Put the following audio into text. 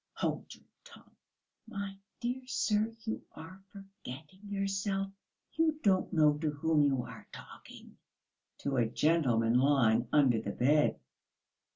"Hold your tongue!" "My dear sir! You are forgetting yourself. You don't know to whom you are talking!" "To a gentleman lying under the bed."